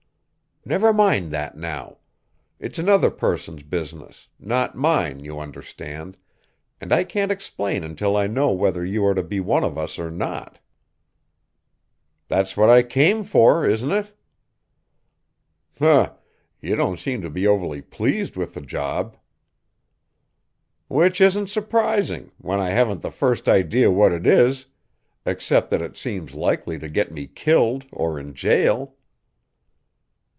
"Never mind that now. It's another person's business not mine, you understand and I can't explain until I know whether you are to be one of us or not." "That's what I came for, isn't it?" "Hm! You don't seem to be overly pleased with the job." "Which isn't surprising, when I haven't the first idea what it is, except that it seems likely to get me killed or in jail."